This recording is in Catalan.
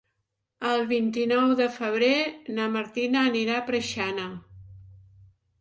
El vint-i-nou de febrer na Martina anirà a Preixana.